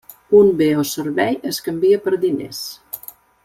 Un bé o servei es canvia per diners.